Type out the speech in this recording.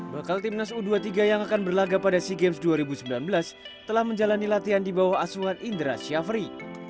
bakal timnas u dua puluh tiga yang akan berlaga pada sea games dua ribu sembilan belas telah menjalani latihan di bawah asuhan indra syafri